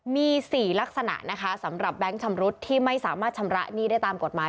มี๔ลักษณะนะคะสำหรับแบงค์ชำรุดที่ไม่สามารถชำระหนี้ได้ตามกฎหมาย